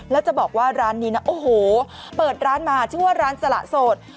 แล้วจะบอกว่าร้านนี้นะโอ้โหเปิดร้านมาชื่อว่าร้านสละโสด